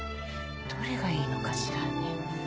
どれがいいのかしらね。